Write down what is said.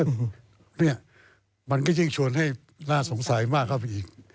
เออมันก็นี่มันก็ยิ่งชวนให้น่าสงสัยมากครับอีก